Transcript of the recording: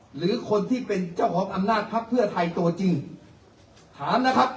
หรือคนที่เป็นเจ้าของอำนาจภักดิ์เพื่อไทยตัวจริงถามนะครับ